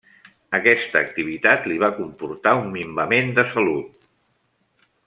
Aquesta activitat li va comportar un minvament de salut.